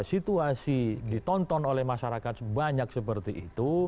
situasi ditonton oleh masyarakat banyak seperti itu